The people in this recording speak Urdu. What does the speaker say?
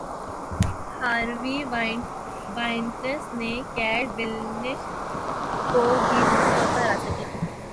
ہاروی وائنسٹن نے کیٹ بلینشٹ کو بھی جنسی طور پر ہراساں کیا